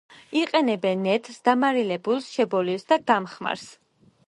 იყენებენ ნედლს, დამარილებულს, შებოლილს და გამხმარს.